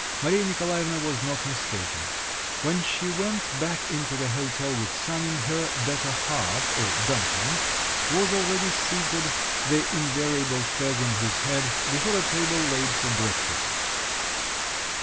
Maria Nikolaevna was not mistaken. When she went back into the hotel with Sanin, her "better half" or "dumpling" was already seated, the invariable fez on his head, before a table laid for breakfast.